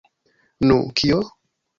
Nu... kio?